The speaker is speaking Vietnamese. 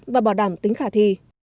và bảo đảm tính khả thi